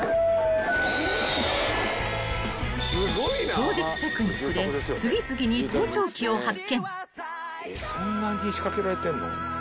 ［超絶テクニックで次々に盗聴器を発見］